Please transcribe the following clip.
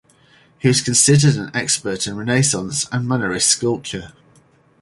He was considered an expert in Renaissance and mannerist sculpture.